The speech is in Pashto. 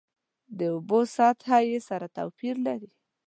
د اوبو سطحه یې سره توپیر لري.